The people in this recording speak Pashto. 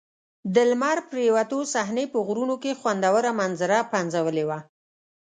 د لمر پرېوتو صحنې په غرونو کې خوندوره منظره پنځولې وه.